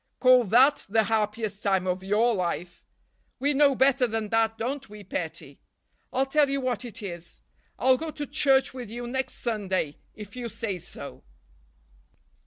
Call that 'the happiest time of your life!' We know better than that, don't we, petty? I'll tell you what it is: I'll go to church with you next Sunday, if you say so!"